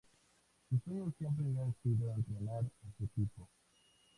Su sueño siempre había sido entrenar a su equipo.